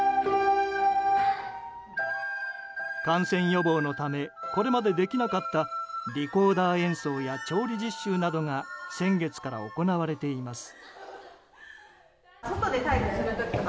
感染予防のためこれまでできなかったリコーダー演奏や調理実習などが先月から行われています。